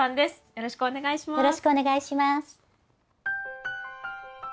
よろしくお願いします。